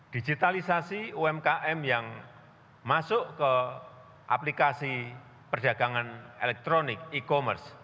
digitalisasi umkm yang masuk ke aplikasi perdagangan elektronik e commerce